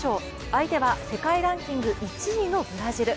相手は世界ランキング１位のブラジル。